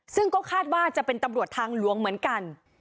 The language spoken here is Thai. ซึ่งก็คาดว่าจะเป็นตำรวจทางหลวงเหมือนกัน